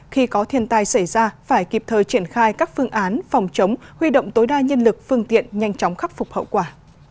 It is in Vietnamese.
khi có thiên tai xảy ra phải kịp thời triển khai các phương án phòng chống huy động tối đa nhân lực phương tiện nhanh chóng khắc phục hậu quả